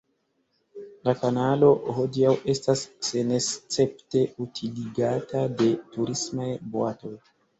La kanalo hodiaŭ estas senescepte utiligata de turismaj boatoj.